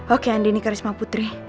oke andi ni karisma putri